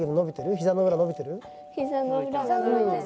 膝の裏伸びてる？